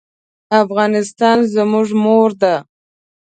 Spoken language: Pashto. افغانستان زموږ مور ده